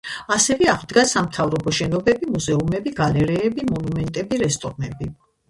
ასევე აღდგა სამთავრობო შენობები, მუზეუმები, გალერეები, მონუმენტები, რესტორნები.